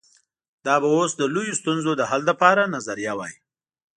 دا به اوس د لویو ستونزو د حل لپاره نظریه وای.